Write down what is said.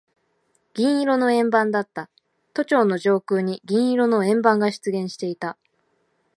銀色の円盤だった。都庁の上空に銀色の円盤が出現していた。